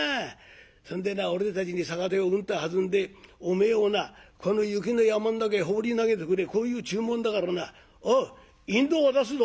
そんでな俺たちに酒手をうんとはずんでお前をなこの雪の山ん中へ放り投げてくれこういう注文だからなおう引導を渡すぞ」。